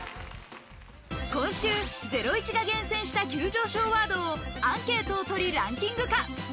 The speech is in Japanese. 今週『ゼロイチ』が厳選した急上昇ワードを、アンケートを取りランキング化。